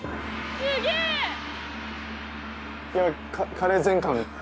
カレー全巻。